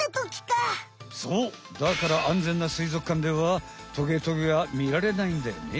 だからあんぜんなすいぞくかんではトゲトゲは見られないんだよね。